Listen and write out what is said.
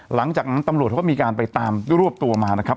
หลังจากนั้นตำรวจเขาก็มีการไปตามรวบตัวมานะครับ